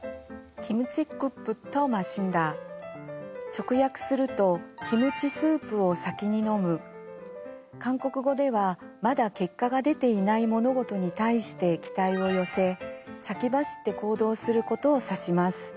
直訳すると韓国語ではまだ結果が出ていない物事に対して期待を寄せ先走って行動することを指します。